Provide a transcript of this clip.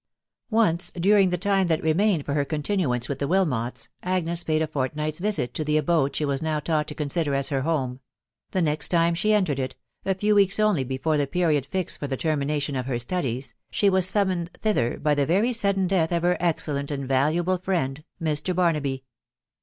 Once during the time that remained for her continuance with the Wilmots, Agnes paid a fortnight's visit to the abode she was now taught to consider as her home : the next time she entered it (a few weeks only before the period fixed for the termination of her studies), she was summoned thither by the very sudden death of her excellent and valuable friend Mr. Barnaby.